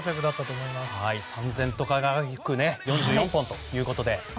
さん然と輝く４４本ということで。